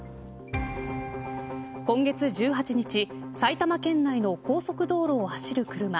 今月１８日埼玉県内の高速道路を走る車。